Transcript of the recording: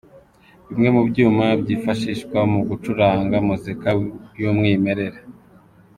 Bimwe mu byuma byifashishwa mu gucuranga muzika y'umwimerere.